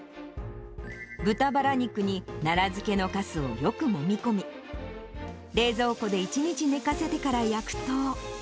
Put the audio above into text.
豚バラ肉に奈良漬けのかすをよくもみ込み、冷蔵庫で１日寝かせてから焼くと。